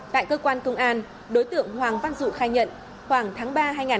tại cơ quan công an đối tượng hoàng văn dụ khai nhận khoảng tháng ba hai nghìn hai mươi ba